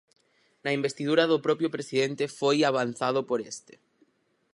Na investidura do propio presidente foi avanzado por este.